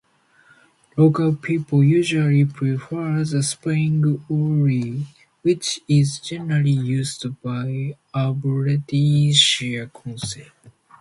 Local people usually prefer the spelling "Ury" which is generally used by Aberdeenshire Council.